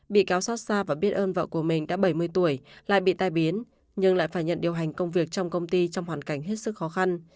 bị cáo xót xa và biết ơn vợ của mình đã bảy mươi tuổi lại bị tai biến nhưng lại phải nhận điều hành công việc trong công ty trong hoàn cảnh hết sức khó khăn